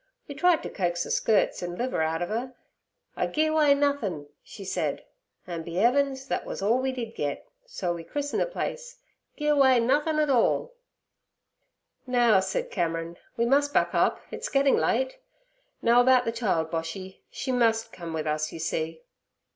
We tried t' coax ther skirts an' liver out ov 'er. "I gi'e away nothin'," she said. An' be 'eavens! thet wus all we did git, so we christened the place "Gi'e away Nothin' 'All." ' 'Now' said Cameron, 'we must buck up; it's getting late. Now about the child, Boshy: she must come with us, you see.'